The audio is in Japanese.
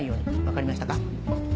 分かりましたか？